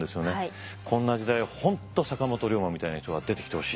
こんな時代本当坂本龍馬みたいな人が出てきてほしい。